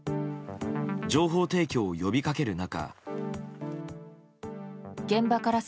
情報提供を呼び掛ける中。